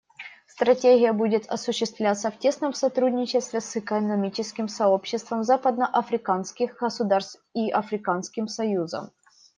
Стратегия будет осуществляться в тесном сотрудничестве с Экономическим сообществом западноафриканских государств и Африканским союзом.